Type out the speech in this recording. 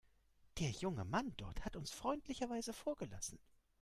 Der junge Mann dort hat uns freundlicherweise vorgelassen.